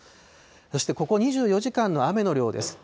そしてここ２４時間の雨の量です。